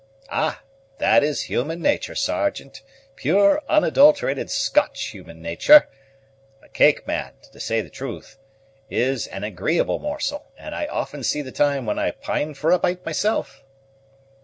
"Ah, that is human nature, Sergeant! pure, unadulterated Scotch human nature. A cake, man, to say the truth, is an agreeable morsel, and I often see the time when I pine for a bite myself."